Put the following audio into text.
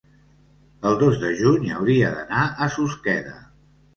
el dos de juny hauria d'anar a Susqueda.